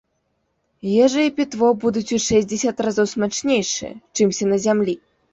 Ежа і пітво будуць у шэсцьдзесят разоў смачнейшыя, чымся на зямлі.